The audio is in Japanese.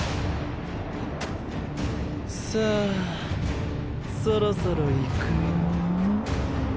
さぁそろそろいくよ。